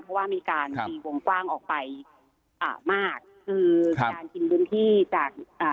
เพราะว่ามีการตีวงกว้างออกไปอ่ามากคือการกินพื้นที่จากอ่า